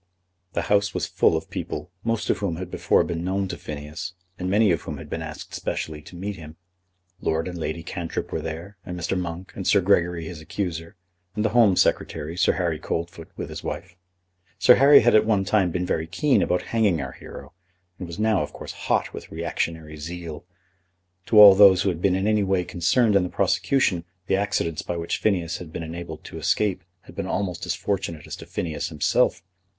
The house was full of people, most of whom had before been known to Phineas, and many of whom had been asked specially to meet him. Lord and Lady Cantrip were there, and Mr. Monk, and Sir Gregory his accuser, and the Home Secretary, Sir Harry Coldfoot, with his wife. Sir Harry had at one time been very keen about hanging our hero, and was now of course hot with reactionary zeal. To all those who had been in any way concerned in the prosecution, the accidents by which Phineas had been enabled to escape had been almost as fortunate as to Phineas himself.